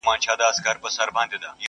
ماتم دی په دې ښار کي جنازې دي چي راځي٫